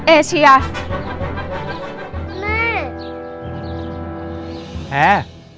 เอเชียแม่แม่